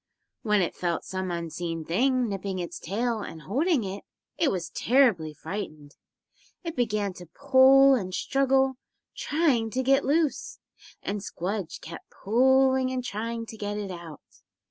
When it felt some unseen thing nipping its tail and holding it, it was terribly frightened. It began to pull and struggle, trying to get loose, and Squdge kept pulling and trying to get it out.